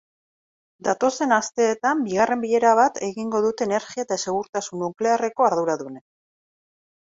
Datozen asteetan bigarren bilera bat egingo dute energia eta segurtasun nuklearreko arduradunek.